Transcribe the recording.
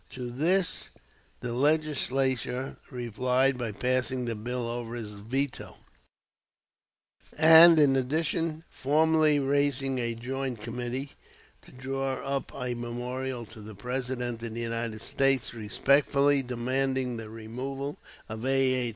To this the Legislature replied by passing the bill over his veto, and in addition formally raising a joint committee "to draw up a memorial to the President of the United States respectfully demanding the removal of A. H.